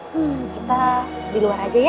hmm kita di luar aja ya